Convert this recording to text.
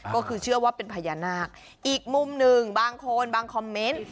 ก็คือเชื่อว่าเป็นพญานาคอีกมุมหนึ่งบางคนบางคอมเมนต์